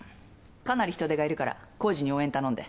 かなり人手がいるから浩次に応援頼んで。